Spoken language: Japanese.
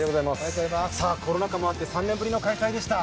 コロナ禍もあって３年ぶりの開催でした。